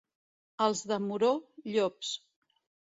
Els de Moror, llops.